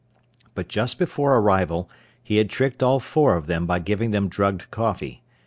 But just before arrival he had tricked all four of them by giving them drugged coffee.